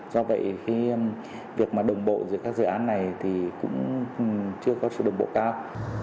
do vậy cái việc mà đồng bộ giữa các dự án này thì cũng chưa có sự đồng bộ cao